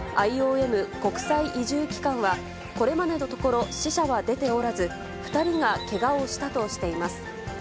ＩＯＭ・国際移住機関は、これまでのところ死者は出ておらず、２人がけがをしたとしています。